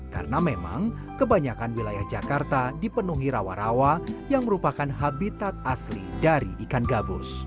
karena memang kebanyakan wilayah jakarta dipenuhi rawa rawa yang merupakan habitat asli dari ikan gabus